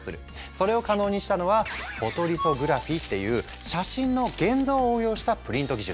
それを可能にしたのは「フォトリソグラフィ」っていう写真の現像を応用したプリント技術。